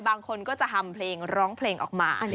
บางคนก็จะฮำเพลงร้องเพลงออกมา